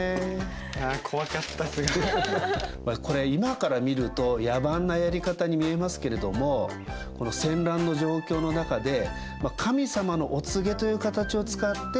これ今から見ると野蛮なやり方に見えますけれどもこの戦乱の状況の中で神様のお告げという形を使って秩序を安定させる。